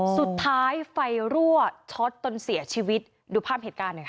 สุดท้ายไฟรั่วช็อตจนเสียชีวิตดูภาพเหตุการณ์หน่อยค่ะ